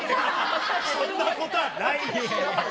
そんなことはない。